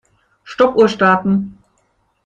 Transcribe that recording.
Stoppuhr starten.